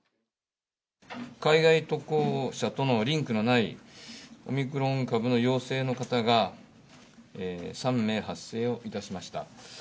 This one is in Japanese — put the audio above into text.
海外渡航者とのリンクのない、オミクロン株の陽性の方が３名発生をいたしました。